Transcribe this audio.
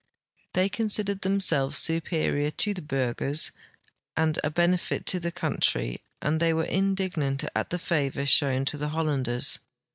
The}^ considered themselves superior to the Burghers and a benefit to the country, and they were indignant at the favor shown to the Hollanders.